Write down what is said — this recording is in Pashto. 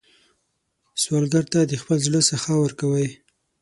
سوالګر ته د خپل زړه سخا ورکوئ